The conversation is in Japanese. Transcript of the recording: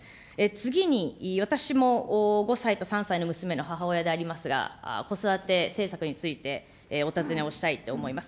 次に、私も５歳と３歳の娘の母親でありますが、子育て政策についてお尋ねをしたいと思います。